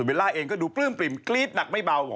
เวลาเองดูกภิมพ์กรี๊ดหนักไม่เบา